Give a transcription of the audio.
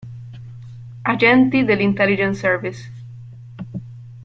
Agenti dell'Intelligence Service.